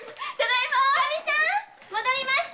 おかみさん戻りました！